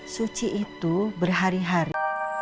suci itu berhari hari